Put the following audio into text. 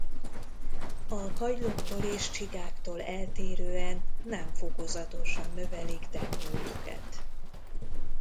A kagylóktól és csigáktól eltérően nem fokozatosan növelik teknőjüket.